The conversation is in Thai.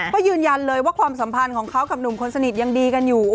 ก็ยืนยันเลยว่าความสัมพันธ์ของเขากับหนุ่มคนสนิทยังดีกันอยู่